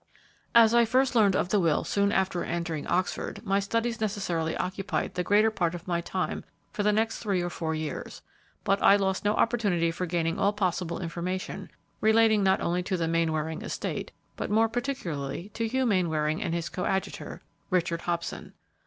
"As I first learned of the will soon after entering Oxford, my studies necessarily occupied the greater part of my time for the next three or four years; but I lost no opportunity for gaining all possible information relating not only to the Mainwaring estate, but more particularly to Hugh Mainwaring and his coadjutor, Richard Hobson.